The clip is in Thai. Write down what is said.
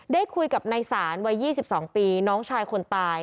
ได้คุยกับนายศาลวัย๒๒ปีน้องชายคนตาย